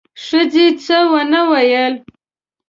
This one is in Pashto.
ښځې څه ونه ویل: